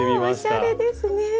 おしゃれですね！